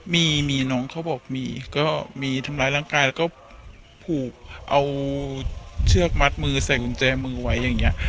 มีมีน้องเขาบอกมีก็มีทำร้ายร่างกายแล้วก็ผูกเอาเชือกมัดมือใส่กุญแจมือไว้อย่างนี้